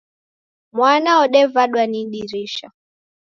Mwana wodevadwa ni idirisha